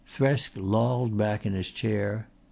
Thresk lolled back in his chair.